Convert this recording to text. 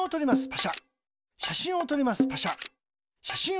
パシャ。